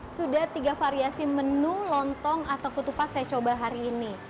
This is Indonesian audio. sudah tiga variasi menu lontong atau ketupat saya coba hari ini